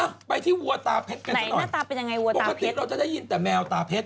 อ้าวไปที่วัวตาเพชรกันหน่อยปกติเราจะได้ยินแต่แมวตาเพชรหน้าตาเป็นยังไงวัวตาเพชร